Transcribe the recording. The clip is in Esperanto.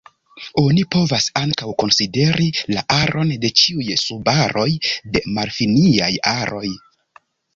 Oni povas ankaŭ konsideri la aron de ĉiuj subaroj de malfiniaj aroj.